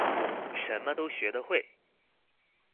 什麼都學得會